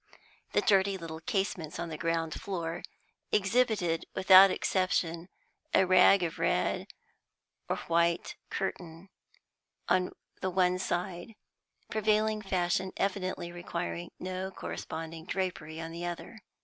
The dirty little casements on the ground floor exhibited without exception a rag of red or white curtain on the one side, prevailing fashion evidently requiring no corresponding drapery on the other.